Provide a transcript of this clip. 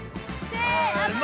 せの。